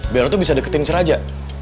biar lo tuh bisa deketin si raja